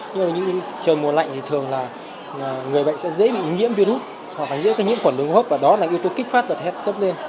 nhưng mà những trường mùa lạnh thì thường là người bệnh sẽ dễ bị nhiễm virus hoặc là nhiễm khuẩn đường hấp và đó là yếu tố kích phát và thét cấp lên